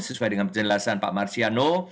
sesuai dengan penjelasan pak marsiano